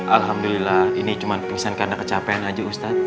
alhamdulillah ini cuma pingsan karena kecapean aja ustadz